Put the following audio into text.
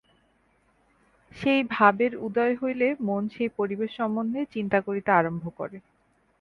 সেই ভাবের উদয় হইলে মন সেই পরিবেশ সম্বন্ধে চিন্তা করিতে আরম্ভ করে।